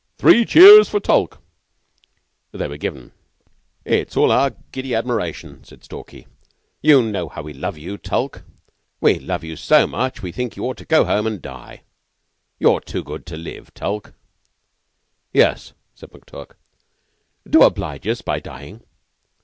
Three cheers for Tulke!" They were given. "It's all our giddy admiration," said Stalky. "You know how we love you, Tulke. We love you so much we think you ought to go home and die. You're too good to live, Tulke." "Yes," said McTurk. "Do oblige us by dyin'.